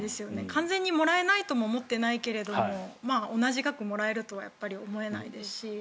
完全にもらえないとも思っていないけど同じ額もらえるとはやっぱり思えないですし。